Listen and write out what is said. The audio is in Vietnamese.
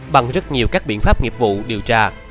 bằng rất nhiều các biện pháp nghiệp vụ điều tra